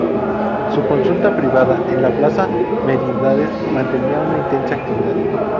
Su consulta privada, en la plaza Merindades, mantenía una intensa actividad.